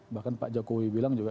bahkan pak jokowi bilang juga